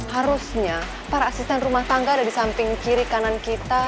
harusnya para asisten rumah tangga ada di samping kiri kanan kita